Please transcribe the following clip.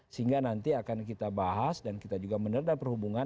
sehingga nanti akan kita bahas dan kita juga menerda perhubungan